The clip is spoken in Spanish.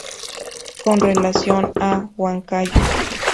Con relación a Huancayo.